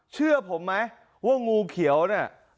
เชื่อผมไหมว่างูเขียวเนี่ย